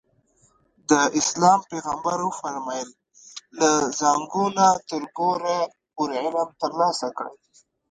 د اسلام پیغمبر وفرمایل له زانګو نه تر ګوره پورې علم ترلاسه کړئ.